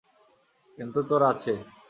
কিন্তু তোর আছে।